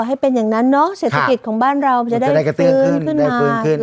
จะให้เป็นอย่างนั้นเนอะศิษย์ฐกิจของบ้านเราค่ะมันก็จะได้กระเตือนขึ้นได้ปืนขึ้นมา